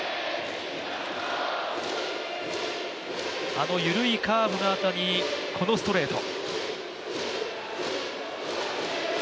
あの緩いカーブのあとにこのストレート。